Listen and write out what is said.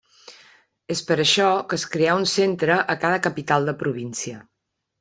És per això que es creà un centre a cada capital de província.